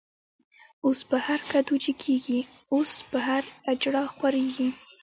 اوس په هر کدو جګيږی، اوس په هر” اجړا” خوريږی